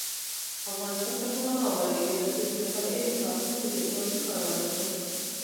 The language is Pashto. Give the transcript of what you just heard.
افغانستان تر هغو نه ابادیږي، ترڅو د مطالعې د ساعتونو په زیاتوالي کار ونکړو.